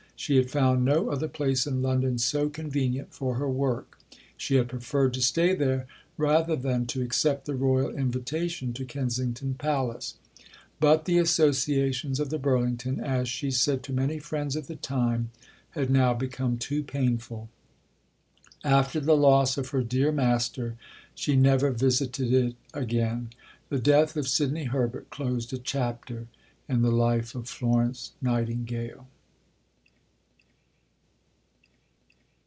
She had found no other place in London so convenient for her work. She had preferred to stay there rather than to accept the royal invitation to Kensington Palace. But the associations of the Burlington, as she said to many friends at the time, had now become too painful. After the loss of her "dear Master," she never visited it again. The death of Sidney Herbert closed a chapter in the life of Florence Nightingale.